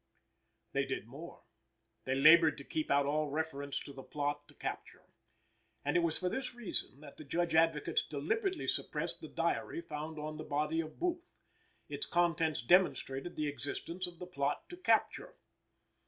They did more. They labored to keep out all reference to the plot to capture. And it was for this reason, that the Judge Advocates deliberately suppressed the diary found on the body of Booth. Its contents demonstrated the existence of the plot to capture.